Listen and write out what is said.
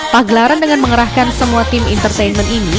pagelaran dengan mengerahkan semua tim entertainment ini